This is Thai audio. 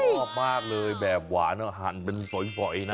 พอมากเลยแบบหวานอาหารเป็นสวยนะ